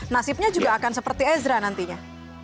nasibnya juga akan seperti ezra nantinya